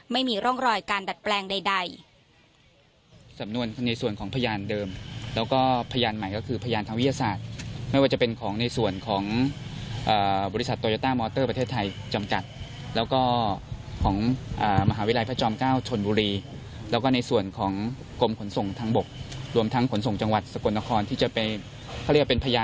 ไม่มีร่องรอยการดัดแปลงใด